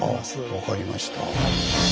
分かりました。